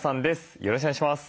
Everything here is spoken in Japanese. よろしくお願いします。